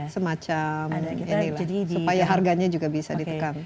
supaya harganya juga bisa ditekam